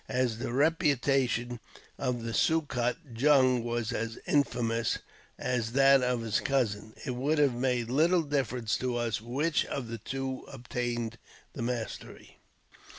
As the reputation of Sokut Jung was as infamous as that of his cousin, it would have made little difference to us which of the two obtained the mastery.